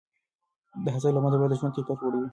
د حسد له منځه وړل د ژوند کیفیت لوړوي.